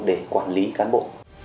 để quản lý cán bộ